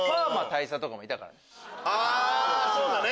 そうだね！